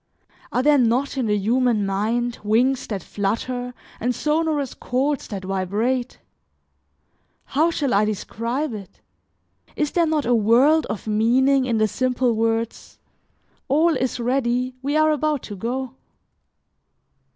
Are there not in the human mind wings that flutter and sonorous chords that vibrate? How shall I describe it? Is there not a world of meaning in the simple words: "All is ready, we are about to go"?